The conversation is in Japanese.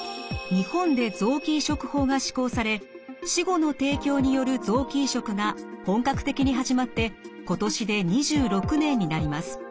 日本で臓器移植法が施行され死後の提供による臓器移植が本格的に始まって今年で２６年になります。